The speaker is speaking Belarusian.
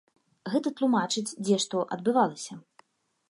Гэта тлумачыць, дзе што адбывалася.